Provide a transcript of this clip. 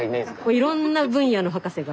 いろんな分野の博士が。